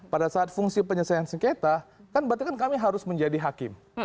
pada saat fungsi penyelesaian sengketa kan berarti kan kami harus menjadi hakim